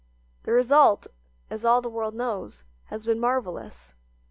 The result, as all the world knows, has been marvelous.